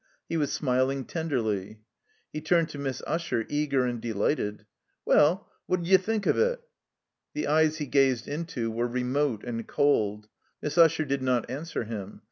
He was smiling tenderly. He turned to Miss Usher, eager and delighted. "WeU— what 'd you think of it?" The eyes he gazed into were remote and cold. Miss Usher did not answer him.